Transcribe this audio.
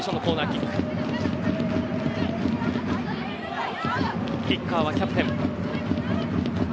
キッカーはキャプテン。